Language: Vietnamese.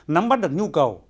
nắm bắt được nhu cầu